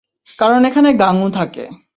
কারণ এখানে গাঙু থাকে!